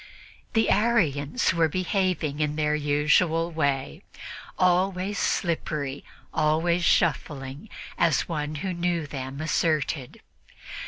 The Arians were behaving in their usual way "always slippery, always shuffling," as one who knew them asserted.